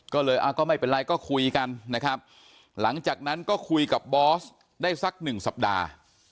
ก็เลยก็ไม่เป็นไรก็คุยกันนะครับหลังจากนั้นก็คุยกับบอสได้สักหนึ่งสัปดาห์